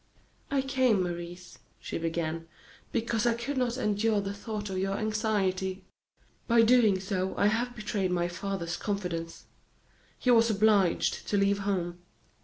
"I came, Maurice," she began, "because I could not endure the thought of your anxiety. By doing so I have betrayed my father's confidence he was obliged to leave home.